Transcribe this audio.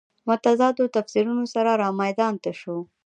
متضادو تفسیرونو سره رامیدان ته شو.